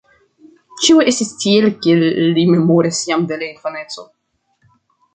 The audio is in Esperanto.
Ĉio estis tiel, kiel li memoris jam de la infaneco.